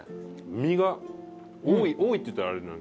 身が多い多いって言ったらあれ。